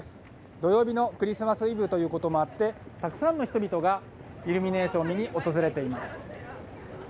土曜日のクリスマスイブということもあってたくさんの人々がイルミネーションを見に訪れています。